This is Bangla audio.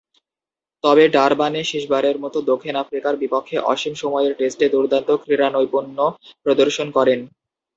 তবে, ডারবানে শেষবারের মতো দক্ষিণ আফ্রিকার বিপক্ষে অসীম সময়ের টেস্টে দূর্দান্ত ক্রীড়ানৈপুণ্য প্রদর্শন করেন।